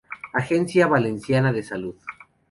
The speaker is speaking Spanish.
Agencia Valenciana de Salud